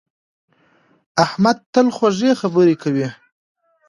احمد تل خوږې خبرې کوي.